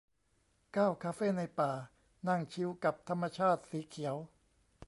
เก้า คาเฟ่ในป่า นั่งชิลกับธรรมชาติสีเขียว